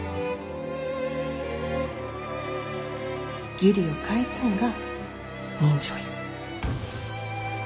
義理を返すんが人情や。